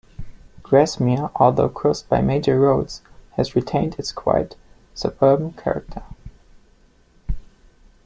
Grasmere although crossed by major roads has retained its quiet suburban character.